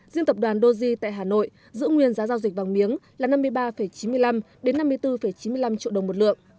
riêng tập đoàn doji tại hà nội giữ nguyên giá giao dịch vàng miếng là năm mươi ba chín mươi năm năm mươi bốn chín mươi năm triệu đồng một lượng